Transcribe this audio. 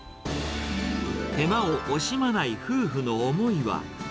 手間を惜しまない夫婦の思い